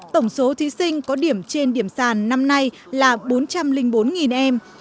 tổng số thí sinh có điểm trên điểm sàn năm nay là bốn trăm linh bốn em